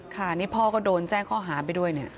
ค่ะนี่พ่อก็โดนแจ้งข้อหาไปด้วยเนี่ย